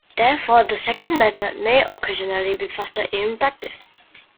Therefore, the secant method may occasionally be faster in practice.